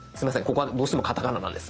ここはどうしてもカタカナなんです。